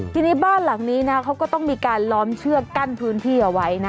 ทีนี้บ้านหลังนี้นะเขาก็ต้องมีการล้อมเชือกกั้นพื้นที่เอาไว้นะ